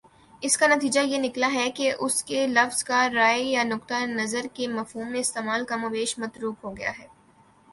اس کا نتیجہ یہ نکلا ہے کہ اس لفظ کا رائے یا نقطۂ نظر کے مفہوم میں استعمال کم و بیش متروک ہو گیا ہے